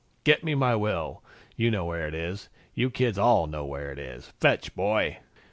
"Get me my will. You know where it is. You kids all know where it is. Fetch, boy!"